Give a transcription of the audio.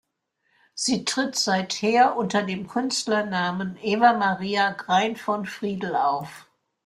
Sie tritt seither unter dem Künstlernamen "Eva-Maria Grein von Friedl" auf.